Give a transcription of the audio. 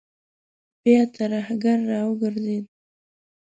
بيا تر آهنګر راوګرځېد.